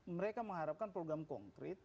mereka mengharapkan program konkret